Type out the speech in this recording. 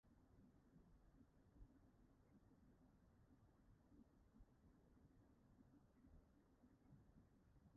Mae grisial dirgrynol yn creu'r tonnau uwchsonig a gaiff eu pelydru i'r cyfrwng.